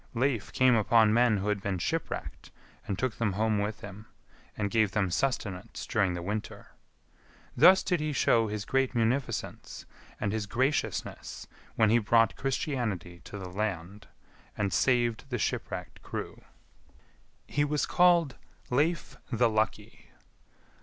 Leif came upon men who had been shipwrecked, and took them home with him, and gave them sustenance during the winter. Thus did he show his great munificence and his graciousness when he brought Christianity to the land, and saved the shipwrecked crew. He was called Leif the Lucky.